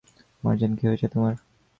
মার্জান, কী হয়েছে তোমার?